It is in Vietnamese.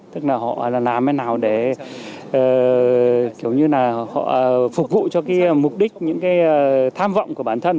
tức là họ làm thế nào để kiểu như là họ phục vụ cho cái mục đích những cái tham vọng của bản thân